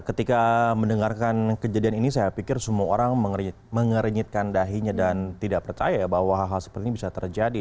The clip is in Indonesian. ketika mendengarkan kejadian ini saya pikir semua orang mengernyitkan dahinya dan tidak percaya ya bahwa hal hal seperti ini bisa terjadi